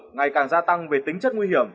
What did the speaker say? ngày càng gia tăng về tính chất nguy hiểm